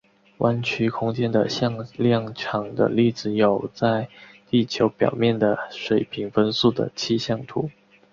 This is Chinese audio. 弯曲空间的向量场的例子有在地球表面的水平风速的气象图。